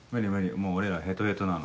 もう俺らヘトヘトなの。